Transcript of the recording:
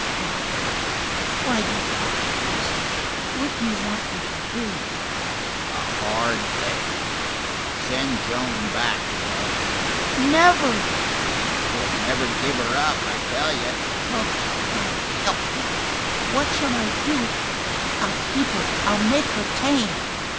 "Buck, why do you talk like this? What do you want me to do?" "A hard thing. Send Joan back to Dan." "Never!" "He'll never give her up, I tell you." "Oh, God help me. What shall I do? I'll keep her! I'll make her tame."